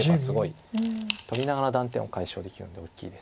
取りながら断点を解消できるので大きいです。